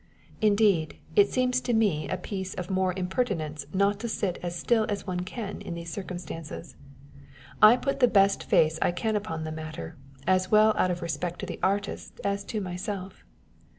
Indeed, it seems to me a piece of mere impertinence not to sit as still as one can in these circumstances. I put the best face I can upon the matter, as well out of respect to the artist as to myself.